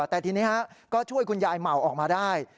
แต่ทีนี้ก็ช่วยคุณยายเหมาออกมาได้